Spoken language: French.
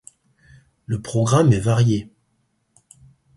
Le programme est varié.